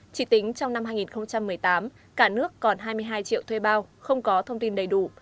chỉ tính trong năm hai nghìn một mươi tám cả nước còn hai mươi hai triệu thuê bao không có thông tin đầy đủ